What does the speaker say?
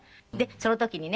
その時にね